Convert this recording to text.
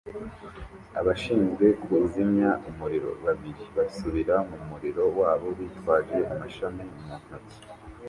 Abashinzwe kuzimya umuriro babiri basubira mu muriro wabo bitwaje amashami mu ntoki